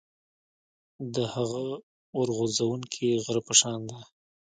د هغه اور غورځوونکي غره په شان ده.